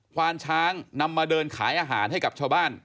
ควานช้างนำมาเดินขายอาหารให้กับชาวบ้าน